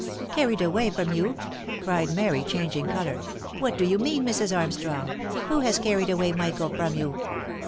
" Carried away from you !" cried Mary, changing colour. " What do you mean, Mrs. Armstrong ? who has carried away Michael from you